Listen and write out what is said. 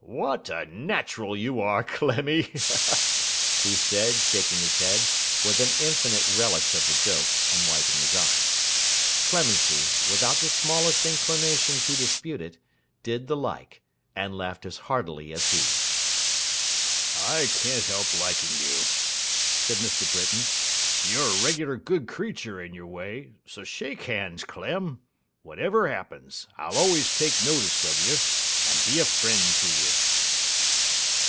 'What a natural you are, Clemmy!' he said, shaking his head, with an infinite relish of the joke, and wiping his eyes. Clemency, without the smallest inclination to dispute it, did the like, and laughed as heartily as he. 'I can't help liking you,' said Mr. Britain; 'you're a regular good creature in your way, so shake hands, Clem. Whatever happens, I'll always take notice of you, and be a friend to you.